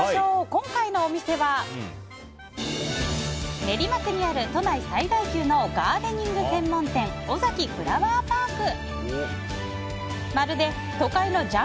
今回のお店は練馬区にある都内最大級のガーデニング専門店オザキフラワーパーク。